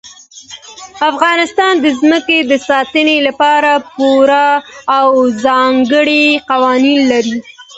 افغانستان د ځمکه د ساتنې لپاره پوره او ځانګړي قوانین لري.